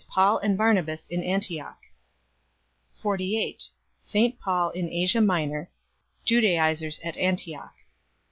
Paul and Barnabas in Antioch. 48 St Paul in Asia Minor. Judaizers at Aniioch.